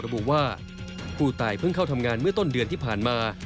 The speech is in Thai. ระบุว่าผู้ตายเพิ่งเข้าทำงานเมื่อต้นเดือนที่ผ่านมา